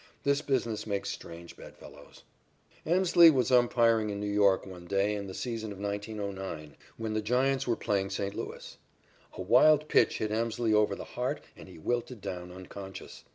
This business makes strange bed fellows. Emslie was umpiring in New York one day in the season of 1909, when the Giants were playing St. Louis. A wild pitch hit Emslie over the heart and he wilted down, unconscious.